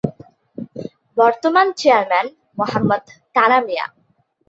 বর্তমান চেয়ারম্যান- মো: তারা মিয়া